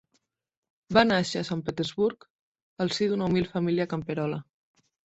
Va nàixer a Sant Petersburg al si d'una humil família camperola.